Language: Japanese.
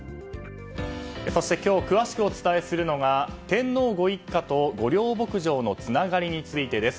そして今日詳しくお伝えするのは天皇ご一家と御料牧場のつながりについてです。